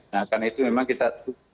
nah karena itu memang kita